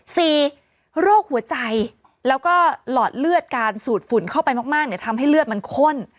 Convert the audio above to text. โรคหัวใจแล้วก็หลอดเลือดการสูดฝุ่นเข้าไปมากมากเนี่ยทำให้เลือดมันข้น